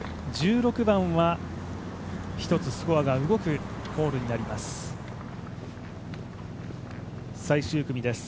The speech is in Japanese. １６番は１つスコアが動くホールになります。